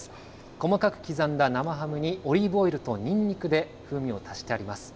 細かく刻んだ生ハムにオリーブオイルとニンニクで風味を足してあります。